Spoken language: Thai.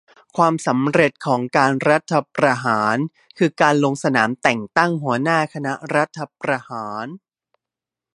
"ความสำเร็จของการรัฐประหาร คือการลงนามแต่งตั้งหัวหน้าคณะรัฐประหาร"